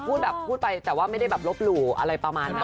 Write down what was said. พูดแบบพูดไปแต่ว่าไม่ได้แบบลบหลู่อะไรประมาณนั้น